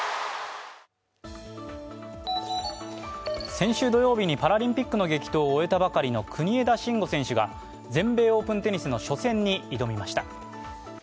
先週土曜日にパラリンピックの激闘を終えたばかりの国枝慎吾選手が全米オープンテニスの初戦に挑みました。